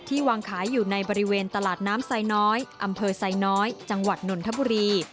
วางขายอยู่ในบริเวณตลาดน้ำไซน้อยอำเภอไซน้อยจังหวัดนนทบุรี